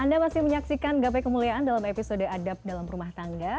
anda masih menyaksikan gapai kemuliaan dalam episode adab dalam rumah tangga